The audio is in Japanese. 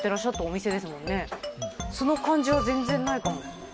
その感じは全然ないかも。